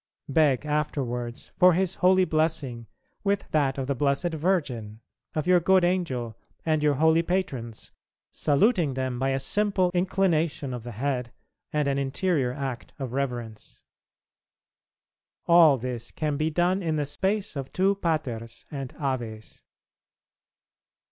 Beg afterwards for His holy blessing with that of the Blessed Virgin, of your good angel and your holy patrons, saluting them by a simple inclination of the head and an interior act of reverence. All this can be done in the space of two Paters and Aves.